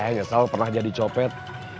saya nyesel pernah jadi copet